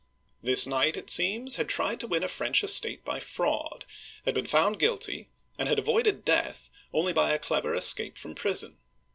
This knight, it seems, had tried to win a French estate by fraud, had been found guilty, and had avoided death only by a clever escape from prison.